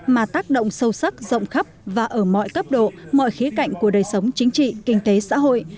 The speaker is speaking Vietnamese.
mà tác động sâu sắc rộng khắp và ở mọi cấp độ mọi khía cạnh của đời sống chính trị kinh tế xã hội